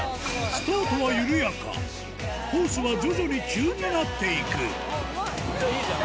スタートは緩やかコースは徐々に急になっていくいいじゃん！